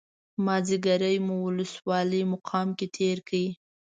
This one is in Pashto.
مازیګری مو ولسوالۍ مقام کې تېر کړ.